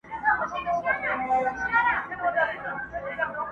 هغه غوټه په غاښو ورڅخه پرې کړه!!